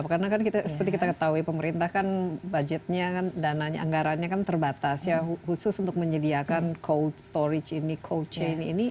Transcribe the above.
karena kan seperti kita ketahui pemerintah kan budgetnya dananya anggaranya kan terbatas ya khusus untuk menyediakan cold storage ini cold chain ini